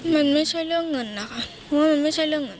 มันไม่ใช่เรื่องเงินนะคะเพราะว่ามันไม่ใช่เรื่องเงิน